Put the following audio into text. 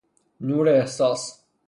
نوراحساس